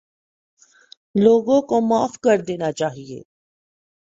لوگوں کو معاف کر دینا چاہیے